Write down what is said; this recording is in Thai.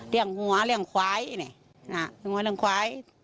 เรียงหัวเรียงควายไอ้ไหนอ่ะเรียงหัวเรียงควาย